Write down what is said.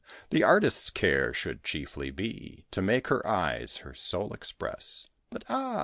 The artist's care should chiefly be To make her eyes her soul express. But, ah!